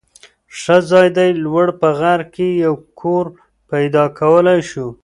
ښه ځای دی. لوړ په غر کې یو کور پیدا کولای شو.